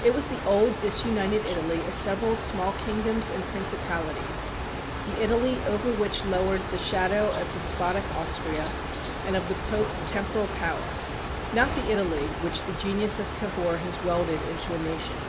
It was the old disunited Italy of several small kingdoms and principalities, the Italy over which lowered the shadow of despotic Austria, and of the Pope's temporal power, not the Italy which the genius of Cavour has welded into a nation.